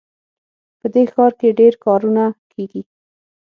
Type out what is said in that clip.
په دې ښار کې ډېر کارونه کیږي